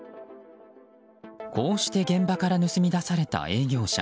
こうして現場から盗み出された営業車。